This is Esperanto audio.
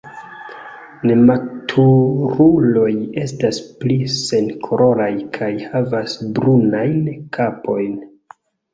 Nematuruloj estas pli senkoloraj kaj havas brunajn kapojn.